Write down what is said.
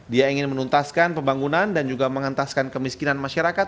dia ingin menuntaskan pembangunan dan juga mengentaskan kemiskinan masyarakat